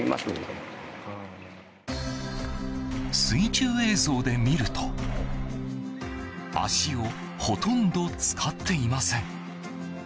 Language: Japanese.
水中映像で見ると足をほとんど使っていません。